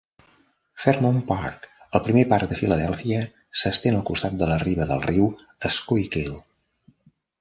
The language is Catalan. Fairmount Park, el primer parc de Filadèlfia, s'estén al costat de la riba del riu Schuylkill.